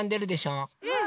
うん！